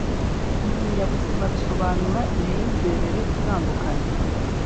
Ibinyabuzima bisobanura imyizerere itandukanye.